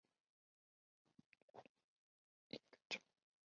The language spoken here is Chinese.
闭花木为大戟科闭花木属下的一个种。